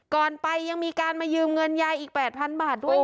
ก่อนไปยังมีการมายืมเงินยายอีก๘๐๐๐บาทด้วย